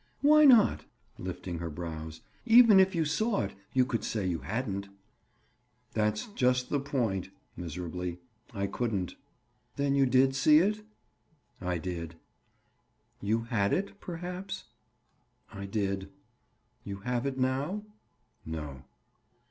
"Why not?" lifting her brows. "Even if you saw it you could say you hadn't." "That's just the point," Miserably. "I couldn't." "Then you did see it?" "I did." "You had it, perhaps?" "I did." "You have it now?" "No."